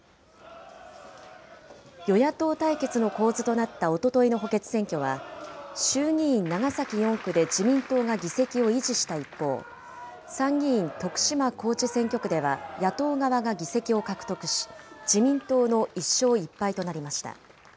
与野党対決の構図となったおとといの補欠選挙は、衆議院長崎４区で自民党が議席を維持した一方、参議院徳島高知選挙区では野党側が議席を獲得し、自民党の１勝１敗となりました。